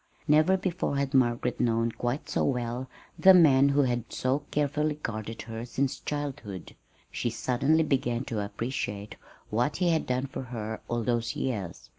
Never before had Margaret known quite so well the man who had so carefully guarded her since childhood. She suddenly began to appreciate what he had done for her all those years.